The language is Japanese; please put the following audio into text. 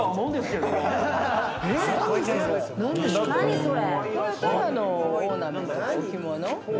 何それ？